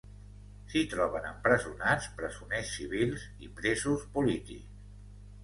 S'hi troben empresonats presoners civils i presos polítics.